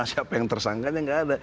siapa yang tersangkanya nggak ada